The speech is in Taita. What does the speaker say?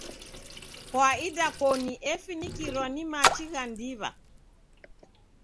Kwa idakoni efinikirwa ni machi gha ndiw'a.